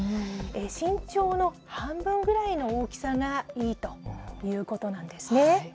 身長の半分ぐらいの大きさがいいということなんですね。